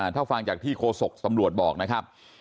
ถ้าฟังจากที่โคศกตำรวจบอกนะครับ